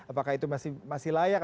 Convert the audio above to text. apakah itu masih layak